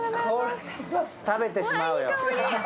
食べてしまうよ。